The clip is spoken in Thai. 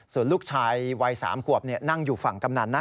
ส่วนลูกชายวัย๓ขวบนั่งอยู่ฝั่งกำนันนะ